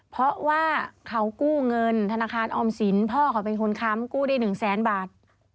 เพราะว่าเขากู้เงินธนาคารออมสินพ่อเขาเป็นคนค้ำกู้ได้๑แสนบาท